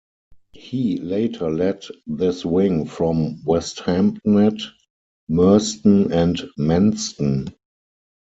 He later led this wing from Westhampnett, Merston and Manston.